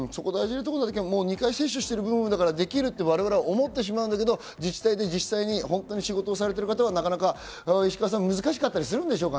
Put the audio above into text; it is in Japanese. もう２回接種してるからできると我々は思ってしまうけど、自治体で実際に本当に仕事をされている方はなかなか難しかったりするんでしょうか。